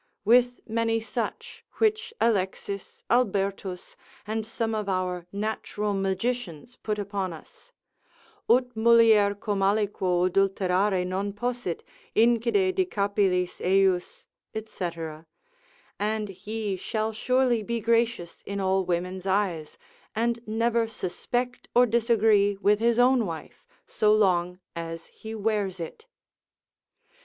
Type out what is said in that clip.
with many such, which Alexis, Albertus, and some of our natural magicians put upon us: ut mulier cum aliquo adulterare non possit, incide de capillis ejus, &c., and he shall surely be gracious in all women's eyes, and never suspect or disagree with his own wife so long as he wears it.